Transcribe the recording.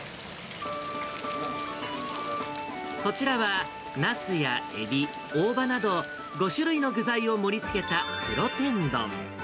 こちらはナスやエビ、大葉など、５種類の具材を盛りつけた黒天丼。